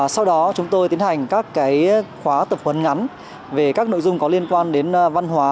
sau đó chúng tôi tiến hành các khóa tập huấn ngắn về các nội dung có liên quan đến văn hóa